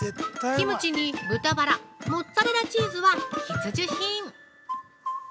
キムチに豚バラ、モッツアレラチーズは必需品。